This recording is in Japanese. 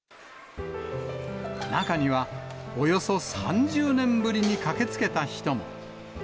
中には、およそ３０年ぶりに駆けつけた人も。